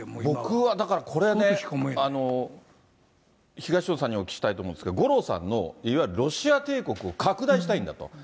僕はだから、これはね、東野さんにお聞きしたいと思うんですけれども、五郎さんの、いわゆるロシア帝国を拡大したいんだと。